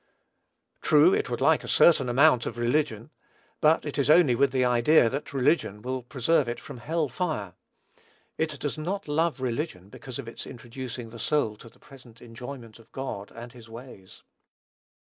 True, it would like a certain amount of religion; but it is only with the idea that religion will preserve it from hell fire. It does not love religion because of its introducing the soul to the present enjoyment of God and his ways.